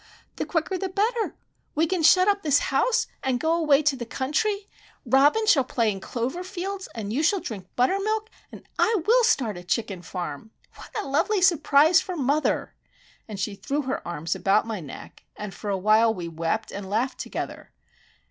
The quicker the better—We can shut up this house, and go away to the country. Robin shall play in the clover fields, you shall drink buttermilk, and I will start a chicken farm! What a lovely surprise for mother!" And she threw her arms about my neck, and for a while we wept and laughed together.